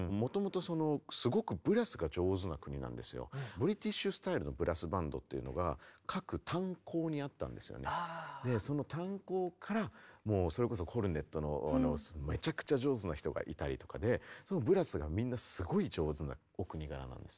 ブリティッシュスタイルのその炭鉱からもうそれこそコルネットのめちゃくちゃ上手な人がいたりとかでブラスがみんなすごい上手なお国柄なんです。